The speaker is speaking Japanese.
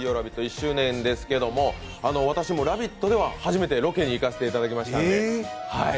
１周年なんですけど、私も「ラヴィット！」では初めてロケに行かせていただきました。